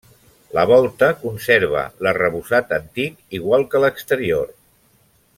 La volta conserva l'arrebossat antic igual que l'exterior.